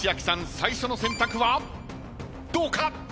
最初の選択はどうか？